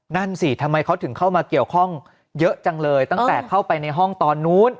นั่นสิทำไมเขาถึงเข้ามาเกี่ยวข้องเยอะจังเลยตั้งแต่เข้าไปในห้องตอนนู้น